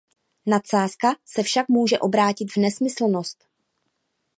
Nadsázka se však může obrátit v nesmyslnost.